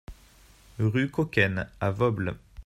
Rue Coquaine à Vosbles